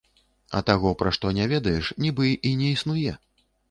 А таго, пра што не ведаеш, нібы і не існуе.